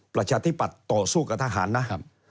ประชาธิปัตย์ต่อสู้กับทหารนะ